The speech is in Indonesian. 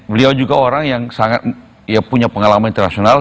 beliau juga orang yang sangat punya pengalaman internasional